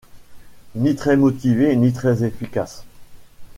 Ni très motivé, ni très efficace.